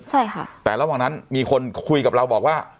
ใช่ค่ะแต่ระหว่างนั้นมีคนคุยกับเราบอกว่า